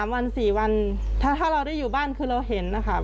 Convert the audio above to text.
วัน๔วันถ้าเราได้อยู่บ้านคือเราเห็นนะคะ